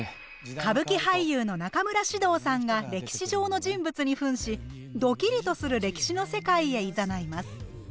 歌舞伎俳優の中村獅童さんが歴史上の人物にふんしドキリとする歴史の世界へいざないます。